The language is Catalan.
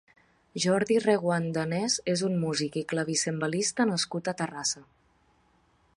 Jordi Reguant Danés és un músic i clavicembalista nascut a Terrassa.